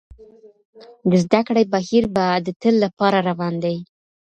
د زده کړې بهير به د تل لپاره روان وي.